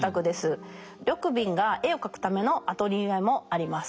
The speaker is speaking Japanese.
緑敏が絵を描くためのアトリエもあります。